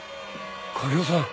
影尾さん